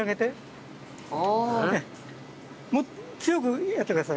もう強くやってください。